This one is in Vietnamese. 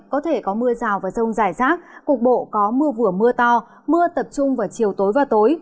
có thể có mưa rào và rông rải rác cục bộ có mưa vừa mưa to mưa tập trung vào chiều tối và tối